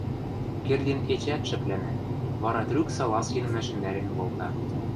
Кердин эчеӓт шӹплӓнӓ, вара трӱк Салазкинӹм ӓшӹндӓрен колта: